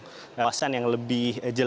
jadi itu adalah pengawasan yang lebih jelas